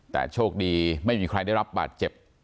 แต่โชคดีไม่มีใครได้รับบาดเจ็บ